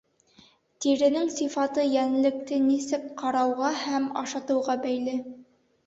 Тиренең сифаты йәнлекте нисек ҡарауға һәм ашатыуға бәйле.